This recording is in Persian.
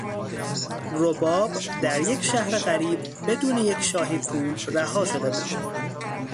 رباب در یک شهر غریب بدون یک شاهی پول رها شده بود.